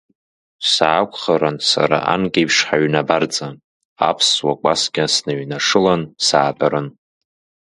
Саақәхарын сара анкьеиԥш ҳаҩны абарҵа, аԥсуа кәаскьа сныҩнашылан саатәарын.